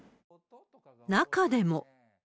中でも。